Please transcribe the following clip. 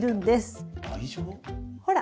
ほら。